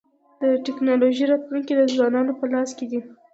د ټکنالوژۍ راتلونکی د ځوانانو په لاس کي دی.